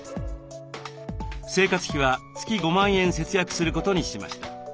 生活費は月５万円節約することにしました。